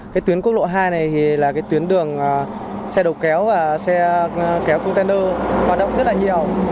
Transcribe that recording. cái tuyến quốc lộ hai này thì là cái tuyến đường xe đầu kéo và xe kéo container hoạt động rất là nhiều